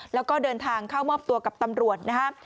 แล้วก็เดินทางเข้ามอบตัวกับตำรวจนะครับ